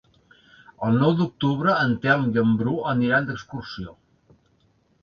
El nou d'octubre en Telm i en Bru aniran d'excursió.